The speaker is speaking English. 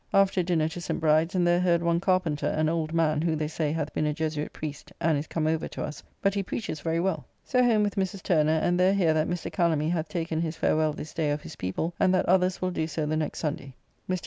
After dinner to St. Bride's, and there heard one Carpenter, an old man, who, they say, hath been a Jesuit priest, and is come over to us; but he preaches very well. So home with Mrs. Turner, and there hear that Mr. Calamy hath taken his farewell this day of his people, and that others will do so the next Sunday. Mr.